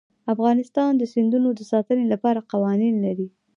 افغانستان د سیندونه د ساتنې لپاره قوانین لري.